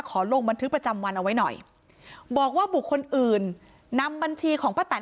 ลงบันทึกประจำวันเอาไว้หน่อยบอกว่าบุคคลอื่นนำบัญชีของป้าแตน